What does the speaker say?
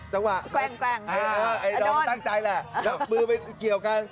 จังหวะแกล้งไอ้ดอมตั้งใจแหละแล้วมือไปเกี่ยวกัน